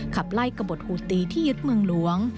ขับไล่กระบดหูตีที่ยึดเมืองหลวง